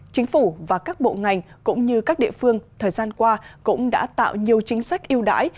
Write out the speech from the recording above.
chính phủ và các bộ ngành cũng như các địa phương thời gian qua cũng đã tạo nhiều chính sách yêu đãi